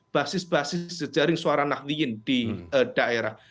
basis basis sejaring suara nadiin di daerah